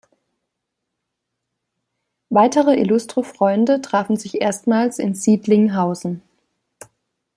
Weitere illustre Freunde trafen sich erstmals in Siedlinghausen.